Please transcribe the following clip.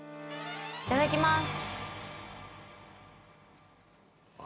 いただきます。